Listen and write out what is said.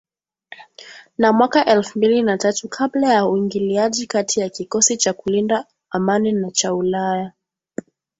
na mwaka elfu mbili na tatu kabla ya uingiliaji kati wa kikosi cha kulinda amani cha ulaya